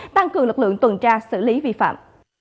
tăng cường lực lượng tuần tra xử lý vi phạm